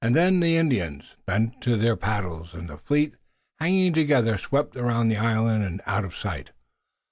Then the Indians, bent to their paddles, and the fleet, hanging together, swept around the island and out of sight.